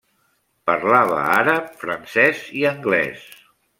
Parlava àrab, francès i anglès.